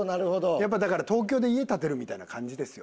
やっぱだから東京で家建てるみたいな感じですよ。